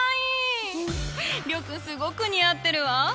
諒君すごく似合ってるわ。